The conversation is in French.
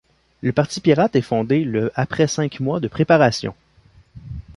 Le Parti pirate est fondé le après cinq mois de préparation.